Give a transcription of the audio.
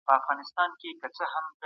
دوی د هېواد راتلونکي مشران دي.